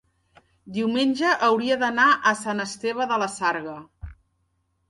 diumenge hauria d'anar a Sant Esteve de la Sarga.